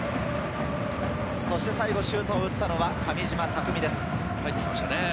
最後、シュートを打ったのは上島拓巳です。